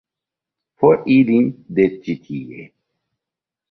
For ilin de ĉi tie!